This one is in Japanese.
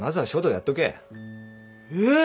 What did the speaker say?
えっ！？